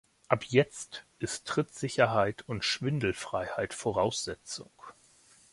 Ab jetzt ist Trittsicherheit und Schwindelfreiheit Voraussetzung.